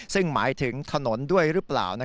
ซึ่งหมายถึงถนนด้วยหรือเปล่า